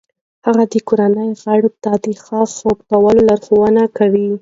هغه د کورنۍ غړو ته د ښه خوب کولو لارښوونه کوي.